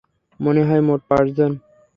মনে হয় মোট পাঁচজন।